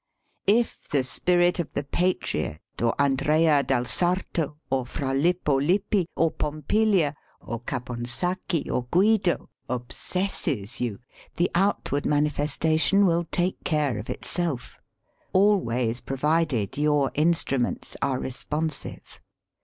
If the spirit of the Patriot or Andrea del Sarto or Fra Lippo Lippi or Pompilia or Caponsacchi or Guido ob sesses you, the outward manifestation will take care of itself always provided your instruments are responsive.